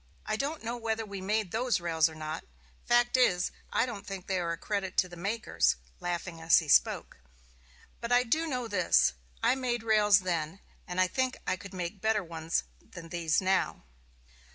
I don't know whether we made those rails or not; fact is, I don't think they are a credit to the makers [laughing as he spoke]. But I do know this: I made rails then, and I think I could make better ones than these now."